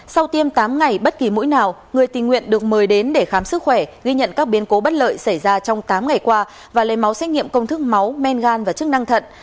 sau tiêm tám ngày bất kỳ mũi nào người tình nguyện được mời đến để khám sức khỏe ghi nhận các biến cố bất lợi xảy ra trong tám ngày qua và lấy máu xét nghiệm công thức máu men gan và chức năng thận